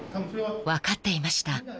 ［分かっていました